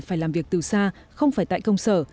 phải làm việc từ xa không phải tại công sở